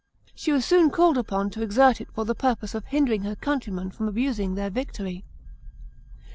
She was soon called upon to exert it for the purpose of hindering her countrymen from abusing their victory.